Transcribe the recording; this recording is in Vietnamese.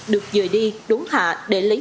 được dời đi đốn hạ để lấy